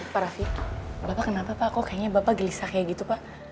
pak rafi bapak kenapa pak kok kayaknya bapak gelisah kayak gitu pak